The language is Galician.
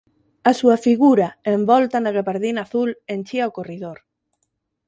A súa figura envolta na gabardina azul enchía o corredor.